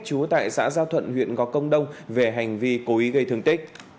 chú tại xã giao thuận huyện gò công đông về hành vi cố ý gây thương tích